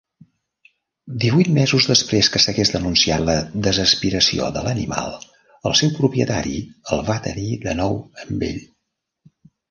Divuit mesos després que s'hagués denunciat la desaspiració de l'animal, el seu propietari el va tenir de nou amb ell.